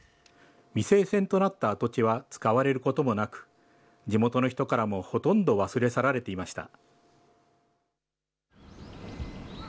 未成線となった跡地は使われることもなく、地元の人からもほとんど忘れ去られていました。